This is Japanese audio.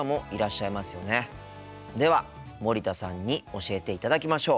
では森田さんに教えていただきましょう。